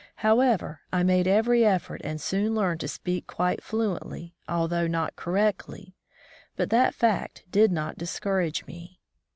How ever, I made every effort and soon learned to speak quite fluently, although not correctly ; but that fact did not discourage me.